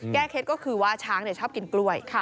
เคล็ดก็คือว่าช้างชอบกินกล้วย